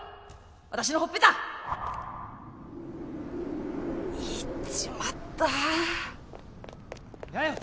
私のほっぺた言っちまったやよ